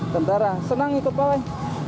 tentara senang ikut pawai